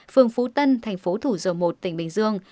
phường phú tân thành phố thủ dầu một tỉnh bình dương